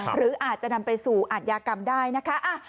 หรืออาจจะนำไปสู่อาทยากรรมได้นะคะ